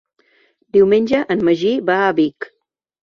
Diumenge en Magí va a Vic.